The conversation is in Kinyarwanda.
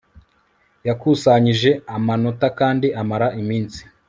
Yakusanyije amanota kandi amara iminsi